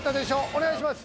お願いします